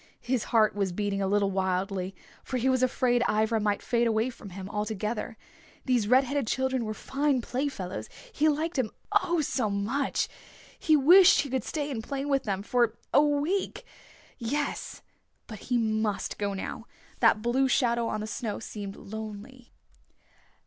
His heart was beating a little wildly. For he was afraid Ivra might fade away from him altogether. These red headed children were fine playfellows. He liked them, oh, so much! He wished he could stay and play with them for a week. Yes. But he must go now. That blue shadow on the snow seemed lonely.